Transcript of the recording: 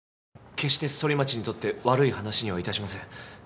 決してソリマチにとって悪い話にはいたしません。